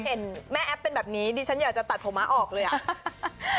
เห็นแม่แอปเป็นแบบนี้ดิฉันอยากจะสังเบียบผมมาออกเลยอะ